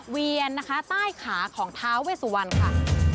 เวียนนะคะใต้ขาของท้าเวสุวรรณค่ะ